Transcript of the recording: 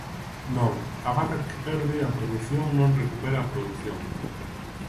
Non, a vaca que perde a produción non recupera a produción.